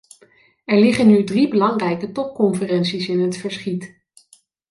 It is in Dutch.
Er liggen nu drie belangrijke topconferenties in het verschiet.